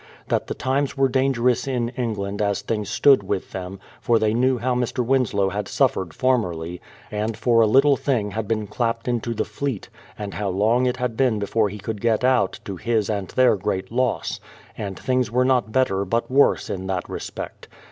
That the times were dangerous in England as things stood with them, for they knew how Mr. Winslow had suffered for merly, and for a little thing had been clapped into the Fleet, and how long it had been before he could get out, to his and their great loss ; and things were not better but worse in that respect.